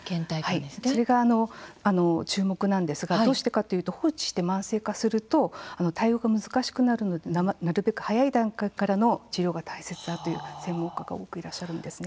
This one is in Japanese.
それが注目なんですがどうしてかというと放置して慢性化すると対応が難しくなるのでなるべく早い段階からの治療が大切だという専門家が多くいらっしゃるんですね。